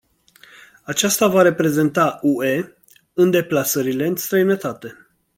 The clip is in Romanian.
Acesta va mai reprezenta u e în deplasările în străinătate.